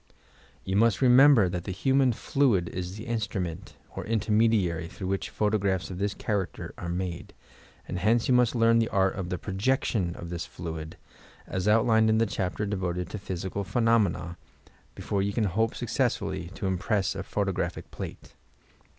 Tou must remember that the human fiuid is the instrument or intermediary, through which photographs of this character are made, and hence you must learn the art of the projection of this fluid, as outlined in the chapter devoted to "Physical Phenomena," before you can hope successfully to impress a photographic plate.